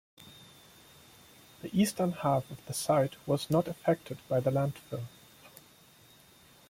The eastern half of the site was not affected by the landfill.